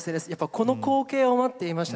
この光景を待っていました。